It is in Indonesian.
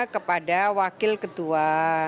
kepada wakil ketua